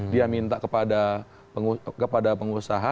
dia minta kepada pengusaha